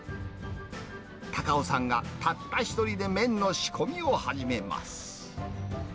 太夫さんがたった１人で麺の仕込みを始めます。